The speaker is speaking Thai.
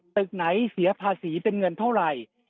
ตึกไหนเสียภาษีเป็นเงินเท่าไหร่